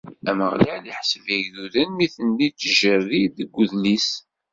Ameɣlal iḥseb igduden mi ten-ittjerrid deg udlis.